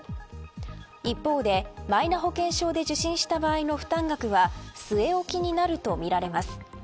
一方で、マイナ保険証で受診した場合の負担額は据え置きになるとみられます。